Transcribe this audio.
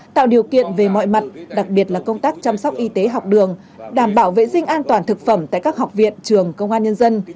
tạo điều kiện về mọi mặt đặc biệt là công tác chăm sóc y tế học đường đảm bảo vệ sinh an toàn thực phẩm tại các học viện trường công an nhân dân